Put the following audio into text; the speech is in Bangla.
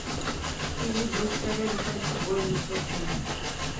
তিনি ব্রুস্টার এর উপর একটি বই লিখেছেন।